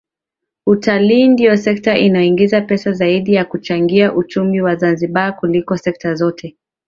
Utalii ndio sekta inayoingiza pesa zaidi na kuchangia uchumi wa Zanzibar kuliko sekta zote